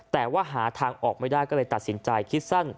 แต่ว่าหาทางออกไม่ได้ก็เลยตัดสินใจคิดสั้น